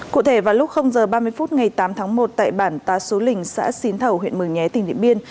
cụ thể vào lúc h ba mươi phút ngày tám tháng một tại bản ta số lình xã xín thầu huyện mường nhé tỉnh điện biên